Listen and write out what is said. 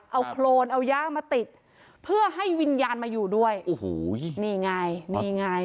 เอาโครนเอาย่ามาติดเพื่อให้วิญญาณมาอยู่ด้วยโอ้โหนี่ไงนี่ไง